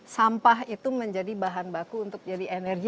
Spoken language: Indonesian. sampah itu menjadi bahan baku untuk jadi energi